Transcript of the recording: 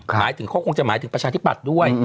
หมายถึงเขาคงจะหมายถึงประชาธิปัตย์ด้วย